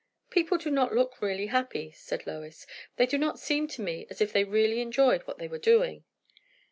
"People do not look really happy," said Lois. "They do not seem to me as if they really enjoyed what they were doing."